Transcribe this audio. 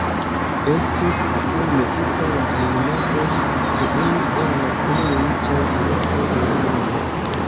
Estis tiel metita la fundamento de unu el la plej riĉaj kolektoj germanaj.